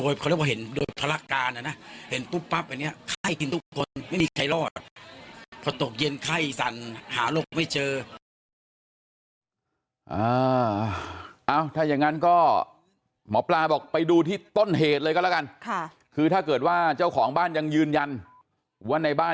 เอาถ้าอย่างนั้นก็หมอปลาบอกไปดูที่ต้นเหตุเลยก็แล้วกันค่ะคือถ้าเกิดว่าเจ้าของบ้านยังยืนยันว่าในบ้าน